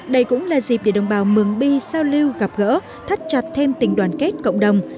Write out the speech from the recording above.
đây cũng là dịp để đồng bào mường bi giao lưu gặp gỡ thắt chặt thêm tình đoàn kết cộng đồng